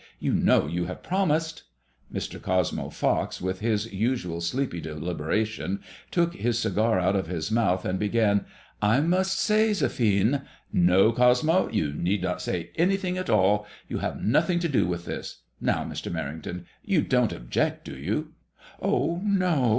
You know you have promised." Mr. Cosmo Fox, with his usual sleepy deliberation, took his cigar out of his mouth, and began —" I must say, Zephine "N09 Cosmo, you need not say anjrthing at all. You have nothing to do with this. Now, Mr. Menington, you don't object, do you ?"" Oh, no